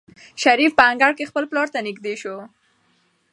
شریف په انګړ کې خپل پلار ته نږدې شو.